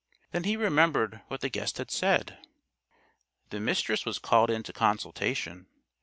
Then he remembered what the guest had said. The Mistress was called into consultation.